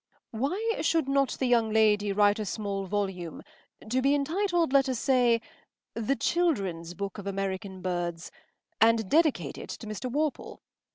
” “Why should not the young lady write a small volume, to be entitled—let us say—_The Children’s Book of American Birds_, and dedicate it to Mr. Worple!